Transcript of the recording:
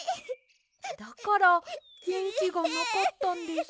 だからげんきがなかったんですね。